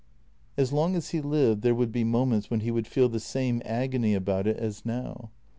As long as he lived there would be moments when he w T ould feel the same agony about it as now.